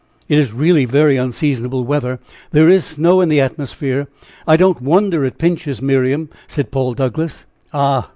"It is really very unseasonable weather there is snow in the atmosphere. I don't wonder it pinches Miriam," said Paul Douglass. Ah!